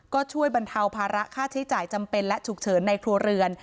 ก็ช่วยบรรเทาภาระค่าใช้จ่ายจำเป็นและฉุกเฉินในครัวเรือน